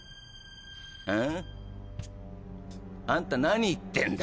あん？あんた何言ってんだ？